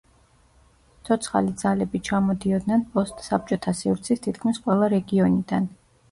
ცოცხალი ძალები ჩამოდიოდნენ პოსტ საბჭოთა სივრცის თითქმის ყველა რეგიონიდან.